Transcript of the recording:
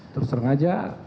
terus terang aja